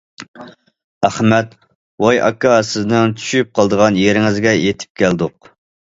ئەخمەت: ۋاي ئاكا، سىزنىڭ چۈشۈپ قالىدىغان يېرىڭىزگە يېتىپ كەلدۇق.